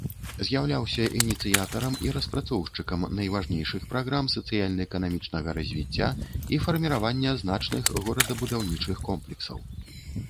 З'яўляўся ініцыятарам і распрацоўшчыкам найважнейшых праграм сацыяльна-эканамічнага развіцця і фарміравання значных горадабудаўнічых комплексаў.